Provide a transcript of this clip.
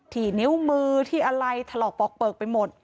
ที่นิ้วมือที่อะไรถลอกปอกเปลือกไปหมด